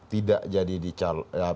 tidak jadi dilantik